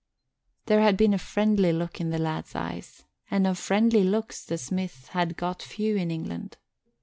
There had been a friendly look in the lad's eyes, and of friendly looks the smith had got few in England.